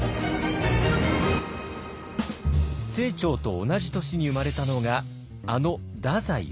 清張と同じ年に生まれたのがあの太宰治。